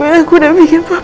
tapi aku udah bikin papa sakit